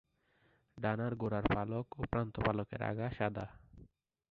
ডানার গোড়ার পালক ও প্রান্ত-পালকের আগা সাদা।